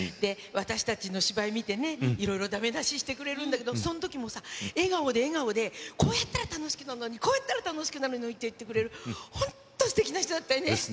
私たちの芝居見てね、いろいろだめだししてくれるんだけど、そんときもさ、笑顔で笑顔で、こうやったら楽しくなるのに、こうやったら楽しくなるのにって言ってくれる、本当、ですね。